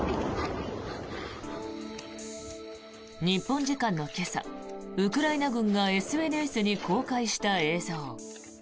日本時間の今朝、ウクライナ軍がＳＮＳに公開した映像。